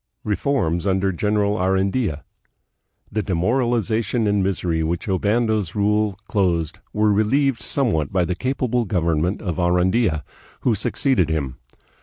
Reforms under General Arandia. The demoralization and misery with which Obando's rule closed were relieved somewhat by the capable government of Arandia, who succeeded him.